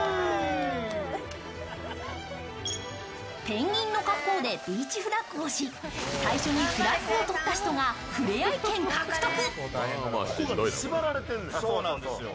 ペンギンの格好でビーチフラッグをし最初にフラッグを取った人が触れあい権獲得。